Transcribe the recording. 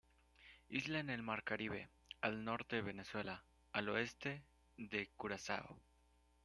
Isla en el Mar Caribe, al norte de Venezuela, al oeste de Curazao.